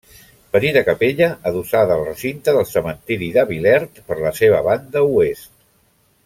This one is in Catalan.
Petita capella adossada al recinte del cementiri de Vilert per la seva banda oest.